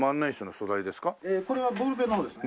えこれはボールペンの方ですね。